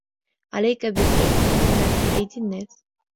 عَلَيْك بِالْيَأْسِ مِمَّا فِي أَيْدِي النَّاسِ